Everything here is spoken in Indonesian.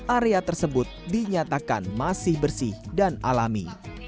area tersebut dinyatakan masih bersih dan alami